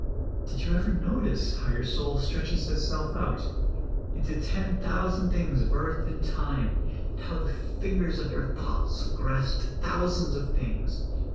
Did you ever notice how your soul stretches itself out into ten thousand things of earth and time, and how the fingers of your thoughts grasp thousands of things